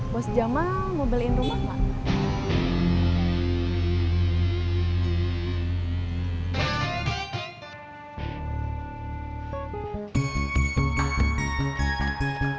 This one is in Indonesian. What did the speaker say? bos jamal mau beliin rumah nggak